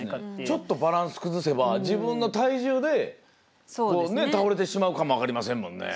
ちょっとバランス崩せば自分の体重で倒れてしまうかも分かりませんもんね。